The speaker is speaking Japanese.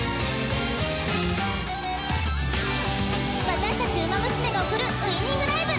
私たちウマ娘が送るウイニングライブ。